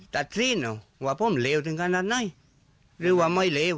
ซีนว่าผมเลวถึงขนาดไหนหรือว่าไม่เลว